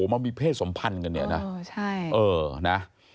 มันมีเพศสมพันธ์กันเนี้ยน่ะเออใช่เออน่ะ